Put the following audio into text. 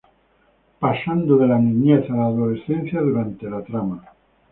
Pasando de la niñez a la adolescencia durante la trama.